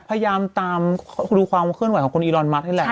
พยายามตามดูความเคลื่อนไหวของคุณอีรอนมัสนี่แหละ